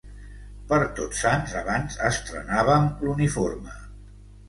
Per Tots Sants abans estrenàvem l'uniforme.